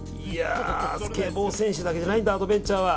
スケボー選手だけじゃないんだアドベンチャーは。